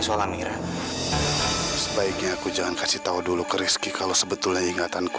sampai jumpa di video selanjutnya